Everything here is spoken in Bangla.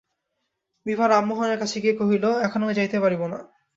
বিভা রামমোহনের কাছে গিয়া কহিল, এখন আমি যাইতে পারিব না।